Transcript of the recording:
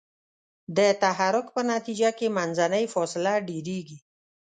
د تحرک په نتیجه کې منځنۍ فاصله ډیریږي.